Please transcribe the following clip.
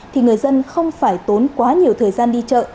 thì người dân không phải tốn quá nhiều thời gian đi chợ